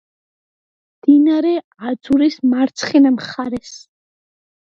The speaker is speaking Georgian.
მდინარე აძურის მარცხენა მხარეს.